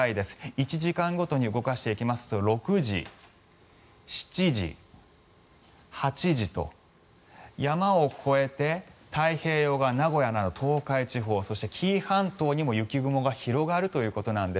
１時間ごとに動かしていきますと６時、７時、８時と山を越えて太平洋側、名古屋など東海地方そして、紀伊半島にも雪雲が広がるということなんです。